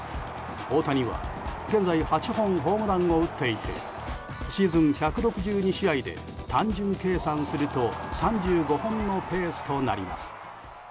大谷は現在８本ホームランを打っていてシーズン１６２試合で単純計算すると３５本のペースとなります。